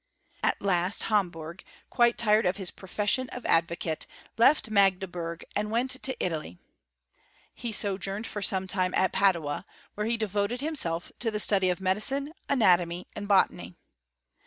At last Homberg, quite tired of his profession of advocate, left Magdeburg and went to Italy. He sojourned for some time at Padua, where he devoted himself to the study of medicine, anatomy, and botany.